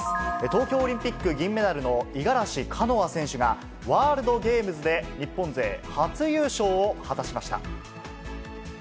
東京オリンピック銀メダルの五十嵐カノア選手が、ワールドゲームズで、日本勢初優勝を果たしました。